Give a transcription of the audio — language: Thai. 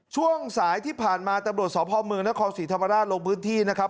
ช่วงสายที่ผ่านมาตำรวจสพเมืองนครศรีธรรมราชลงพื้นที่นะครับ